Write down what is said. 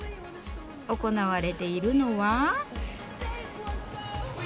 行われているのは。